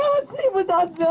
terima kasih bu chandra